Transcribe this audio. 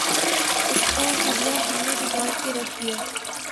اس کا حلیہ ہم نے بگاڑ کے رکھ دیا۔